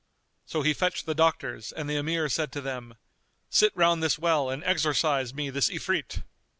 So he fetched the doctors and the Emir said to them, "Sit round this well and exorcise me this Ifrit."